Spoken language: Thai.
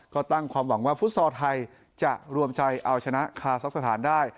ก็ตั้งความหวังว่าฟุตซอลไทยจะรวมใจเอาชนะคาซักสถานได้